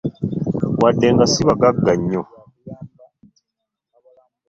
Wadde nga si bagagga nnyo.